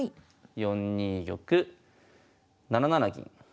４二玉７七銀。